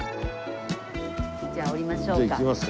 じゃあ降りましょうか。